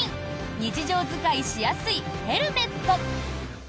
日常使いしやすいヘルメット。